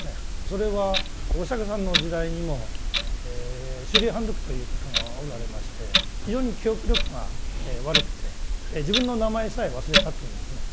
それはお釈さんの時代にも周利槃特という方がおられまして非常に記憶力が悪くて自分の名前さえ忘れたっていうんですね。